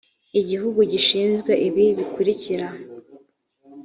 igihugu gishinzwe ibi bikurikira